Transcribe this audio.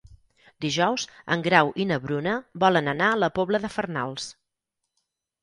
Dijous en Grau i na Bruna volen anar a la Pobla de Farnals.